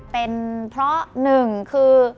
เป็นเพราะหนึ่งคือ